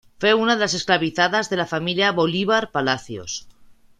Fue una de las esclavizadas de la familia Bolívar Palacios.